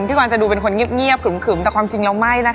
กรจะดูเป็นคนเงียบขึมแต่ความจริงแล้วไม่นะคะ